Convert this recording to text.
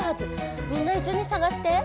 みんないっしょにさがして！